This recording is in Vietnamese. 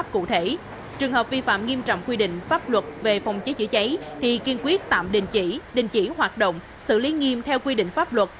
chế chữa cháy thì kiên quyết tạm đình chỉ đình chỉ hoạt động xử lý nghiêm theo quy định pháp luật